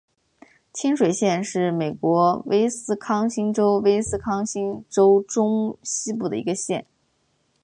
清水县是美国威斯康辛州威斯康辛州中西部的一个县。